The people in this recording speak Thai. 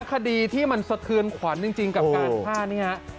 คดีที่มันสดคืนขวันจริงกับการผ้านี้เฮอะ